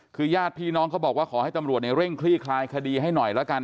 คือญาติพี่น้องเขาบอกว่าขอให้ตำรวจเนี่ยเร่งคลี่คลายคดีให้หน่อยละกัน